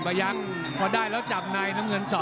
นี่นี่นี่นี่นี่นี่